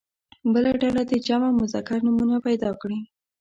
بله ډله دې جمع مذکر نومونه پیدا کړي.